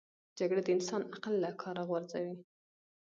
جګړه د انسان عقل له کاره غورځوي